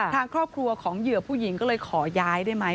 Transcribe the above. ทางครอบครัวของเหยื่อผู้หญิงก็เลยขอย้ายได้ไหม